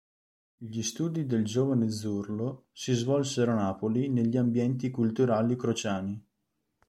Gli studi del giovane Zurlo si svolsero a Napoli negli ambienti culturali crociani.